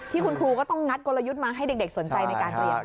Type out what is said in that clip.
ครูก็ต้องงัดกลยุทธ์มาให้เด็กสนใจในการเรียน